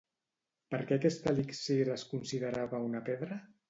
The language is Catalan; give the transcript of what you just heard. Per què aquest elixir es considerava una pedra?